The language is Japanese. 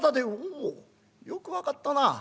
「おうよく分かったな。